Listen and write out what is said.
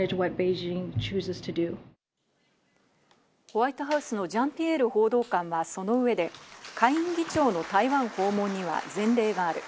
ホワイトハウスのジャンピエール報道官はその上で、下院議長の台湾訪問には前例がある。